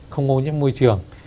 không ô nhiễm môi trường